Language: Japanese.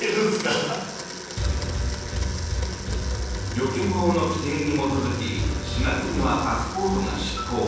旅券法の規定に基づき４月にはパスポートが失効。